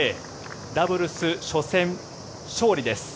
ダブルス初戦、勝利です。